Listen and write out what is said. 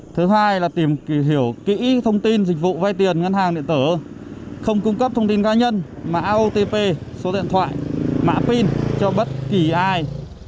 thứ hai là tìm hiểu kỹ thông tin dịch vụ vay tiền ngân hàng điện tử không cung cấp thông tin cá nhân mã otp số điện thoại mã pin cho bất kỳ ai